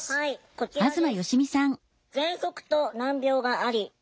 こちらです。